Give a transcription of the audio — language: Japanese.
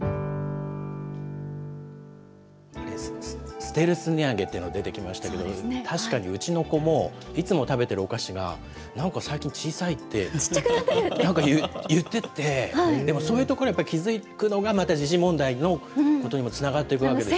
ステルス値上げっていうの、出てきましたけれども、確かにうちの子も、いつも食べてるお菓子が、なんか最近小さいって、なんか言ってて、でもそういうところを気付くのが、また時事問題のことにもつながっていくわけですね。